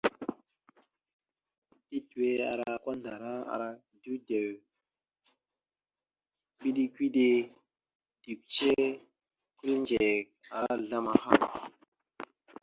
Tetʉwe ara kwandara, ara dʉdew, kʉɗe-kʉɗe, dʉkʉce, kʉlindzek, ara azzlam ahal.